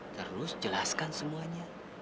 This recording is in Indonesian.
baik terus jelaskan semuanya